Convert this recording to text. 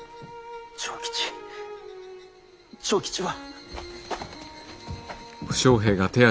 長吉長吉は！